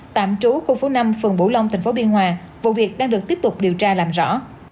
tạm trú khu phố năm phường bủ long tỉnh phố biên hòa vụ việc đang được tiếp tục điều tra làm rõ